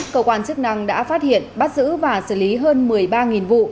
cơ quan chức năng đã phát hiện bắt giữ và xử lý hơn một mươi ba vụ